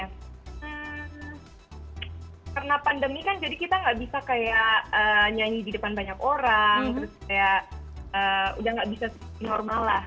karena pandemi kan jadi kita nggak bisa kayak nyanyi di depan banyak orang terus kayak udah gak bisa di normal lah